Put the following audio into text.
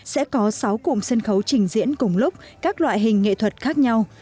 sẽ có sáu cụm sân khấu trình diễn cùng lúc các loại hình nghệ thuật khác nhau